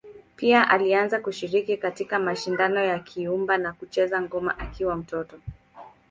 Pia alianza kushiriki katika mashindano ya kuimba na kucheza ngoma akiwa mtoto.